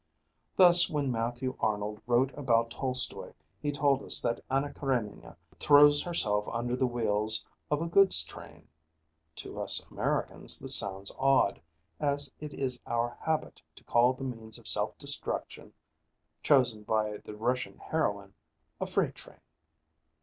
Thus when Matthew Arnold wrote about Tolsto√Į, he told us that Anna Karénina "throws herself under the wheels of a goods train." To us Americans this sounds odd, as it is our habit to call the means of self destruction chosen by the Russian heroine "a freight train."